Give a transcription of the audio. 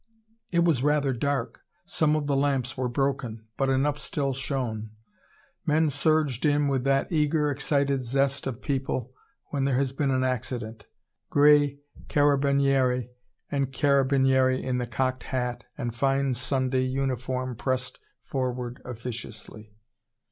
It was rather dark, some of the lamps were broken but enough still shone. Men surged in with that eager, excited zest of people, when there has been an accident. Grey carabinieri, and carabinieri in the cocked hat and fine Sunday uniform pressed forward officiously.